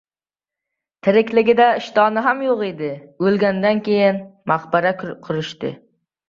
• Tirikligida ishtoni ham yo‘q edi, o‘lgandan so‘ng maqbara qurishdi.